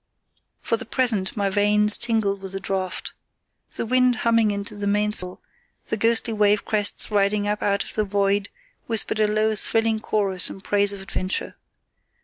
For the present my veins tingled with the draught. The wind humming into the mainsail, the ghostly wave crests riding up out of the void, whispered a low thrilling chorus in praise of adventure.